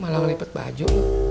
malah lo lipet baju